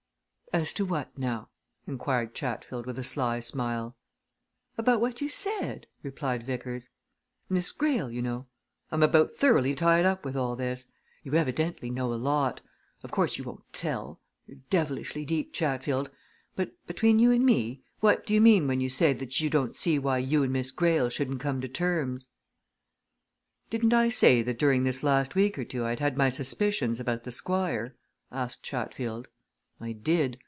"As to what, now?" inquired Chatfield with a sly smile. "About what you said," replied Vickers. "Miss Greyle, you know. I'm about thoroughly tied up with all this. You evidently know a lot. Of course you won't tell! You're devilish deep, Chatfield. But, between you and me what do you mean when you say that you don't see why you and Miss Greyle shouldn't come to terms?" "Didn't I say that during this last week or two I'd had my suspicions about the Squire?" answered Chatfield. "I did.